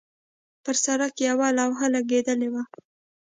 پر سړک یوه لوحه لګېدلې وه.